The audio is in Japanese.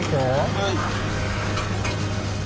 はい。